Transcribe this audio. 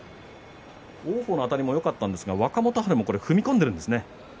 王鵬のあたりもよかったんですが若元春も踏み込んでいるんですね。